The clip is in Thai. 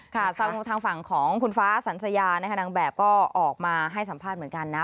ทางฝั่งของคุณฟ้าสันสยานะคะนางแบบก็ออกมาให้สัมภาษณ์เหมือนกันนะ